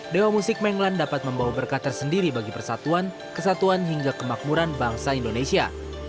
dewa musik menglan dapat membawa berkat tersendiri bagi persatuan kesatuan hingga kemakmuran bangsa indonesia